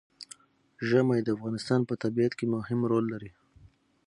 ژمی د افغانستان په طبیعت کې مهم رول لري.